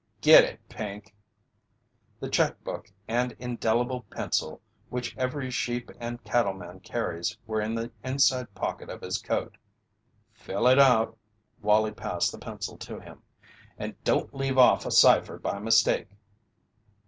"Get it, Pink." The check book and indelible pencil which every sheep and cattleman carries were in the inside pocket of his coat. "Fill it out." Wallie passed the pencil to him. "And don't leave off a cipher by mistake."